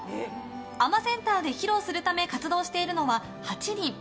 海女センターで披露するため活動しているのは８人。